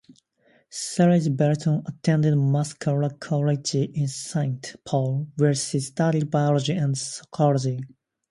Sayles Belton attended Macalester College in Saint Paul, where she studied biology and sociology.